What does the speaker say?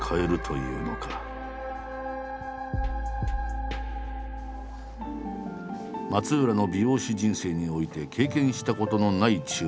松浦の美容師人生において経験したことのない注文だという。